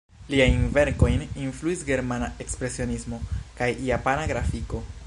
Liajn verkojn influis germana ekspresionismo kaj japana grafiko.